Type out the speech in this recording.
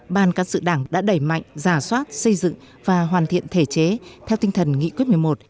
ban cán sự đảng đã đẩy mạnh giả soát xây dựng và hoàn thiện thể chế theo tinh thần nghị quyết một mươi một